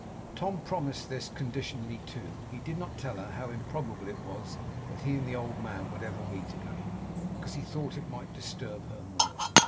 Tom promised this, conditionally too. He did not tell her how improbable it was that he and the old man would ever meet again, because he thought it might disturb her more.